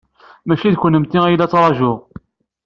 Maci d kennemti ay la ttṛajuɣ.